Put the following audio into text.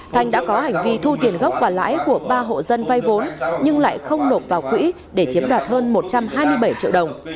thanh đã có hành vi thu tiền gốc và lãi của ba hộ dân vay vốn nhưng lại không nộp vào quỹ để chiếm đoạt hơn một trăm hai mươi bảy triệu đồng